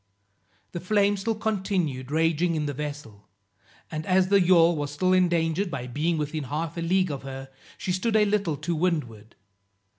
The flames still continued raging in the vessel, and as the yawl was still endangered by being within half a league of her, she stood a little to windward.